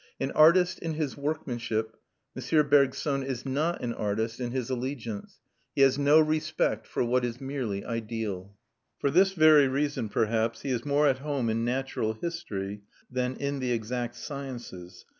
An artist in his workmanship, M. Bergson is not an artist in his allegiance; he has no respect for what is merely ideal. For this very reason, perhaps, he is more at home in natural history than in the exact sciences.